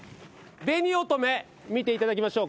紅乙女見ていただきましょう。